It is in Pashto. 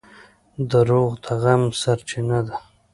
• دروغ د غم سرچینه ده.